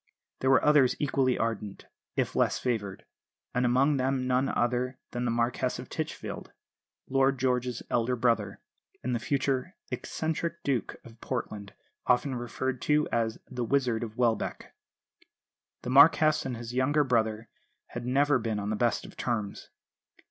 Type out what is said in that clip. There were others equally ardent, if less favoured; and among them none other than the Marquess of Titchfield, Lord George's elder brother, and the future "eccentric Duke" of Portland, often referred to as "The Wizard of Welbeck." The Marquess and his younger brother had never been on the best of terms.